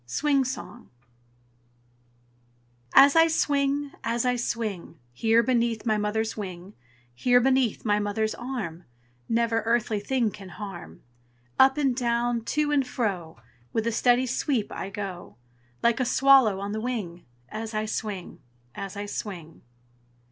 SWING SONG As I swing, as I swing, Here beneath my mother's wing, Here beneath my mother's arm, Never earthly thing can harm. Up and down, to and fro, With a steady sweep I go, Like a swallow on the wing, As I swing, as I swing.